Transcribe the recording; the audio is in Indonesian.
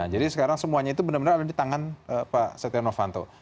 sekarang semuanya itu benar benar ada di tangan pak setia novanto